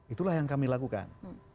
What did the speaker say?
itulah yang kami lakukan